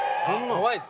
怖いっす。